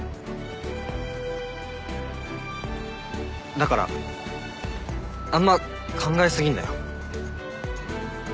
だからあんま考え過ぎんなよ。